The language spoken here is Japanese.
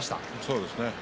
そうですね。